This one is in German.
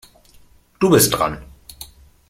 Du bist dran.